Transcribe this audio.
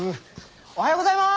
おはようございます！